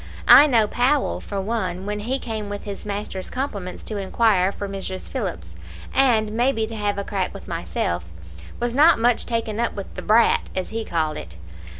I know Powell, for one, when he came with his master's compliments to inquire for Mrs. Phillips, and may be to have a crack with myself, was not much taken up with the brat, as he called it.